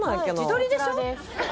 自撮りでしょ？